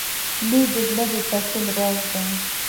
• لور د زړه د تسل راز دی.